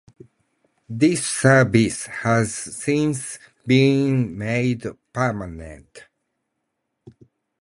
This service has since been made permanent.